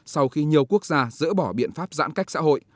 sau khi nhiều quốc gia dỡ bỏ biện pháp giãn cách xã hội